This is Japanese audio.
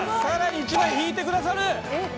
さらに１万円引いてくださる！